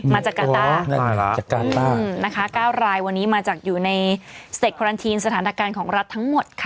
มาจากกาต้าจากการตั้งนะคะ๙รายวันนี้มาจากอยู่ในสเตควารันทีนสถานการณ์ของรัฐทั้งหมดค่ะ